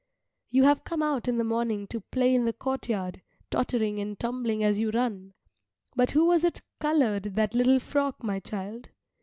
You have come out in the morning to play in the courtyard, tottering and tumbling as you run. But who was it coloured that little frock, my child?